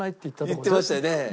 言ってましたよね。